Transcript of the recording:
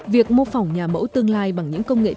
việc mô phỏng nhà mẫu tương lai bằng những công nghệ cao